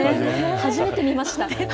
初めて見ました。